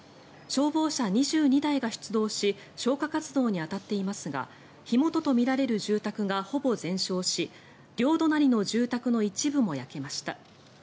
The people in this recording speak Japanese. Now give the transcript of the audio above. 消防車２２台が出動し消火活動に当たっていますが火元とみられる住宅がほぼ全焼し両隣の住宅の一部も焼けました。